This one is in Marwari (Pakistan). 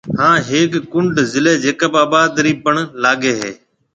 ھان ھيَََڪ ڪُنڊ ضلع جيڪب آباد رَي پڻ لاگيَ ھيََََ